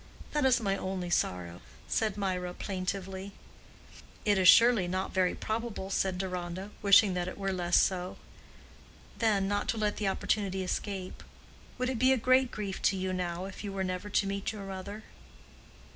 That is my only sorrow," said Mirah, plaintively. "It is surely not very probable," said Deronda, wishing that it were less so; then, not to let the opportunity escape—"Would it be a great grief to you now if you were never to meet your mother?"